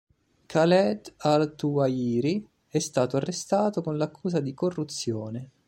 Khaled al-Tuwayjiri è stato arrestato con l'accusa di corruzione.